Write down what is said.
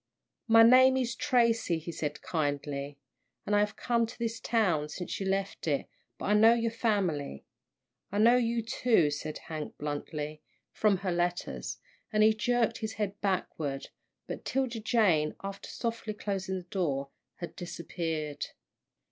"My name is Tracy," he said, kindly, "and I have come to this town since you left it, but I know your family." "I know you, too," said Hank, bluntly, "from her letters," and he jerked his head backward, but 'Tilda Jane, after softly closing the door, had disappeared.